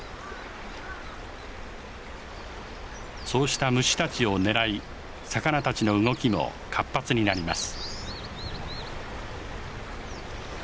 そうした虫たちを狙い魚たちの動きも活発になります。